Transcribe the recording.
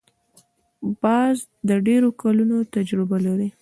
باز د ډېرو کلونو تجربه لري